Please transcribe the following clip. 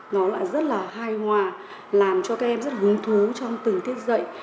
nó lại rất là hài hòa làm cho các em rất hứng thú trong từng tiết dạy